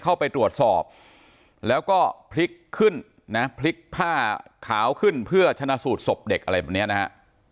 เข้าไปตรวจสอบแล้วก็พลิกขึ้นนะพลิกผ้าขาวขึ้นเพื่อชนะสูตรศพเด็กอะไรแบบนี้นะฮะ